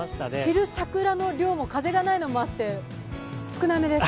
散る桜の量も、風がないのもあって少なめです。